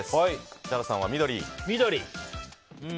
設楽さんは緑。